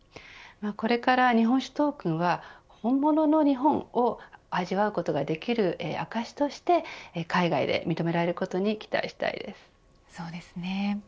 これから日本酒トークンは本物の日本を味わうことができる証しとして海外で認められることにそうですね。